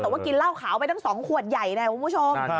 แต่ว่ากินเหล้าขาวไปตั้ง๒ขวดใหญ่นะคุณผู้ชม